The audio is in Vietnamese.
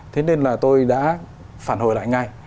thế nên là tôi đã phản hồi lại ngay